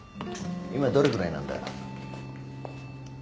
今どれぐらいなんだ？